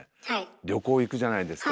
旅行行くじゃないですか。